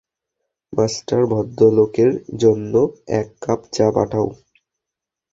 Master, ভদ্রলোকের জন্য এক কাপ চা পাঠাও?